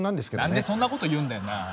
何でそんなこと言うんだよなあ。